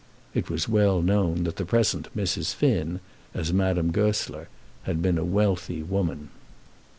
It was well known that the present Mrs. Finn, as Madame Goesler, had been a wealthy woman.